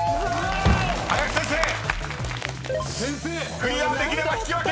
［クリアできれば引き分け］